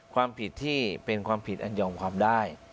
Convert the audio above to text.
ความผิดที่เป็นความผิดอันยอมความได้